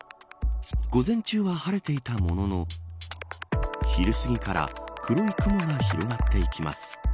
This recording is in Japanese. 午前中は晴れていたものの昼すぎから黒い雲が広がっていきます。